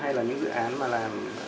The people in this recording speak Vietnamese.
hay là những dự án mà là